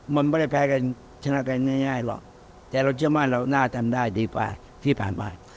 มันไม่ได้แพ้กันชนะกันง่ายหรอกแต่เราเชื่อมั่นเราน่าทำได้ดีกว่าที่ผ่านมา